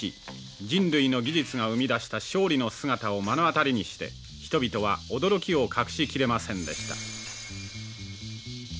人類の技術が生み出した勝利の姿を目の当たりにして人々は驚きを隠しきれませんでした」。